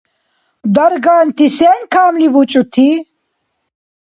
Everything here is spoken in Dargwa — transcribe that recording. Дарганти сен камли бучӏути?